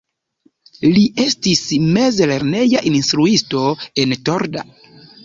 Li estis mezlerneja instruisto en Torda.